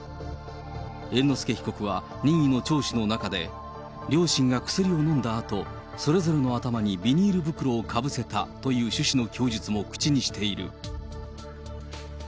猿之助被告は任意の聴取の中で、両親が薬を飲んだあと、それぞれの頭にビニール袋をかぶせたという趣旨の供述も口にしている。